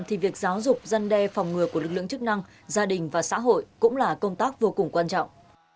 thì việc giáo dục dân đe phòng ngừa của lực lượng chức năng gia đình và xã hội cũng là công tác vô cùng quan trọng